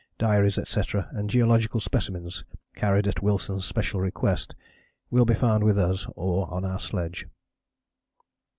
Diaries, etc., and geological specimens carried at Wilson's special request, will be found with us or on our sledge."